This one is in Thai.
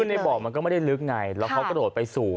คือในบ่อมันก็ไม่ได้ลึกไงแล้วเขากระโดดไปสู่